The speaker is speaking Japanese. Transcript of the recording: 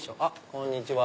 こんにちは。